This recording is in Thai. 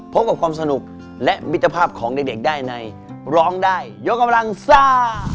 พบกับความสนุกและมิตรภาพของเด็กได้ในร้องได้ยกกำลังซ่า